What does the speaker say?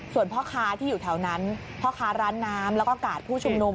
ส่วนพ่อค้าที่อยู่แถวนั้นพ่อค้าร้านน้ำแล้วก็กาดผู้ชุมนุม